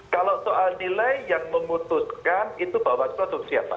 kalau soal nilai yang memutuskan itu bahwa itu untuk siapa